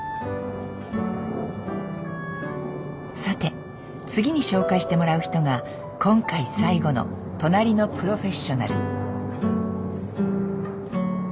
さて次に紹介してもらう人が今回最後のとなりのプロフェッショナル。